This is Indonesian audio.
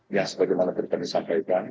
ya sebagaimana tadi sampaikan